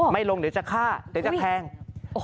ไม่ลงเดี๋ยวจะฆ่าเดี๋ยวจะแทง